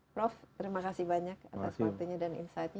prof terima kasih banyak atas waktunya dan insightnya